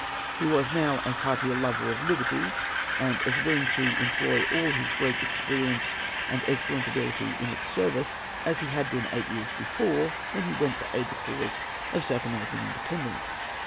He was now as hearty a lover of liberty, and as willing to employ all his great experience and his excellent ability in its service, as he had been eight years before when he went to aid the cause of South American independence.